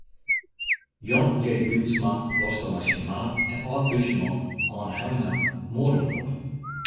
Jan J. Bylsma loste mei syn maat en âld-plysjeman Anne Hellinga moarden op.